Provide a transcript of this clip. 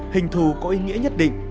hình thù có ý nghĩa nhất định